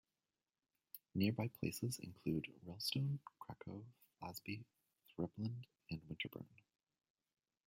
Nearby places include Rylstone, Cracoe, Flasby, Threapland and Winterburn.